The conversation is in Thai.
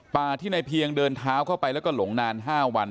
ที่ในเพียงเดินเท้าเข้าไปแล้วก็หลงนาน๕วัน